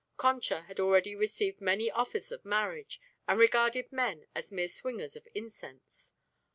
Concha had already received many offers of marriage and regarded men as mere swingers of incense.